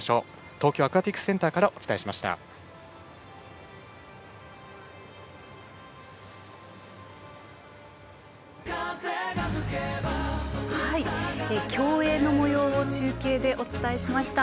東京アクアティクスセンターからお伝えしました。